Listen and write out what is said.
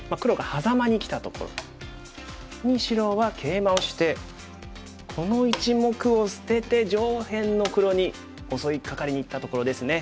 に白はケイマをしてこの１目を捨てて上辺の黒に襲いかかりにいったところですね。